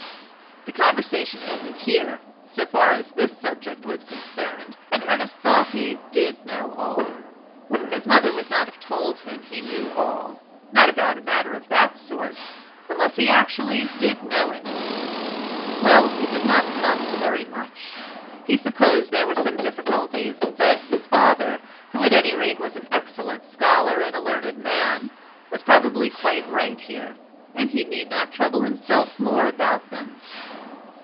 The conversation ended here, so far as this subject was concerned, and Ernest thought he did know all. His mother would not have told him he knew all—not about a matter of that sort—unless he actually did know it; well, it did not come to very much; he supposed there were some difficulties, but his father, who at any rate was an excellent scholar and a learned man, was probably quite right here, and he need not trouble himself more about them.